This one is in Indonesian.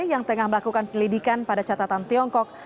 yang tengah melakukan penyelidikan pada catatan tiongkok